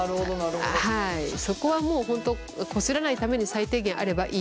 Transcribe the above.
そこはもう本当こすらないために最低限あればいいと思ってください。